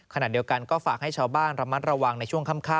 ขณะเดียวกันก็ฝากให้ชาวบ้านระมัดระวังในช่วงค่ำ